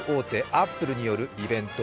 アップルによるイベント